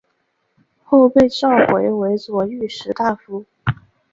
后被召回为左御史大夫。